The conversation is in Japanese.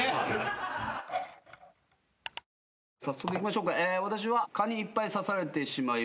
早速いきましょうか。